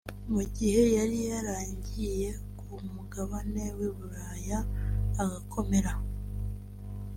mu gihe yari yaragiye ku mugabane w’i Buraya agakomera